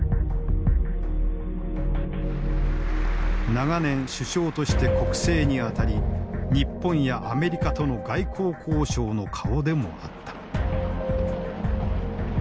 長年首相として国政にあたり日本やアメリカとの外交交渉の顔でもあった。